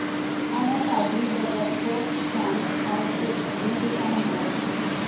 I do not agree that the Court can or should redefine marriage.